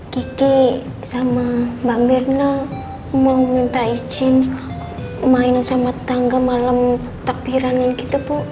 kiki sama mbak mirna mau minta izin main sama tangga malam takbiran gitu bu